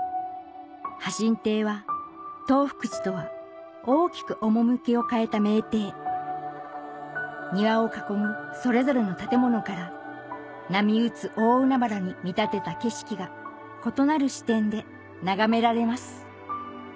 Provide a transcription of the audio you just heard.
波心庭は東福寺とは大きく趣を変えた名庭庭を囲むそれぞれの建物から波打つ大海原に見立てた景色が異なる視点で眺められます